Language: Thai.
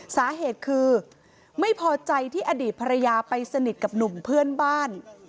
สาเหตุคือไม่พอใจที่อดีตภรรยาไปสนิทกับหนุ่มเพื่อนบ้าน